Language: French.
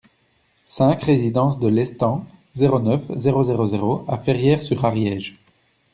cinq résidence de Lestang, zéro neuf, zéro zéro zéro à Ferrières-sur-Ariège